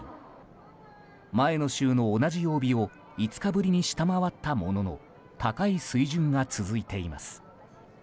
前の週の同じ曜日を５日ぶりに下回ったものの高い水準が続いています。